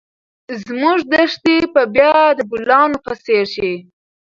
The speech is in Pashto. زموږ دښتې به بیا د ګلانو په څېر شي.